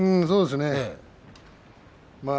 そうですね。